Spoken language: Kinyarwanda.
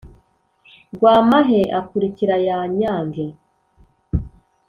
Rwamahe akurikira ya nyange